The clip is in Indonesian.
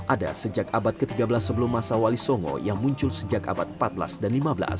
ada sejak abad ke tiga belas sebelum masa wali songo yang muncul sejak abad empat belas dan lima belas